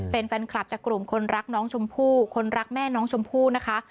เป็นแฟนคลับจากกลุ่มคนรักน้องชมพู่คนรักแม่น้องชมพู่นะคะ